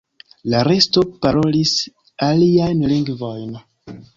La resto parolis aliajn lingvojn.